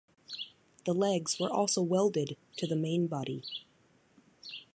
The legs were also welded to the main body.